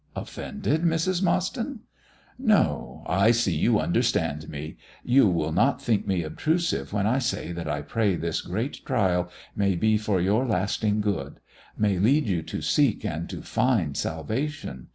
"Offended, Mrs. Mostyn!" "No. I see you understand me; you will not think me obtrusive when I say that I pray this great trial may be for your lasting good; may lead you to seek and to find salvation.